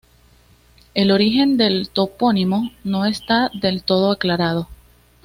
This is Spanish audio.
El origen del topónimo no está del todo aclarado.